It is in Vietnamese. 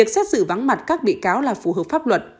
việc xét xử vắng mặt các bị cáo là phù hợp pháp luật